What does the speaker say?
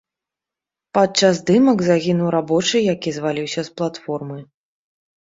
Падчас здымак загінуў рабочы, які зваліўся з платформы.